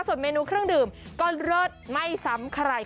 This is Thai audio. ส่วนเมนูเครื่องดื่มก็เลิศไม่ซ้ำใคร